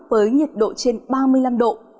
với nhiệt độ trên ba mươi năm độ